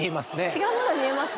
違うものに見えます？